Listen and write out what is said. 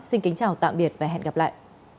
xin kính chào tạm biệt và hẹn gặp lại